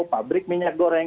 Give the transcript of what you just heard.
pabrik minyak goreng